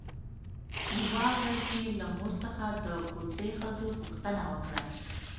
يوه ورځ يې له مور څخه د کوڅې ښځو پوښتنه وکړه.